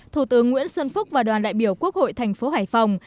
thủ tướng nguyễn xuân phúc và đoàn đại biểu quốc hội thành phố hải phòng